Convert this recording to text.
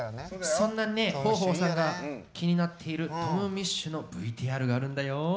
そんなね豊豊さんが気になっているトム・ミッシュのＶＴＲがあるんだよ。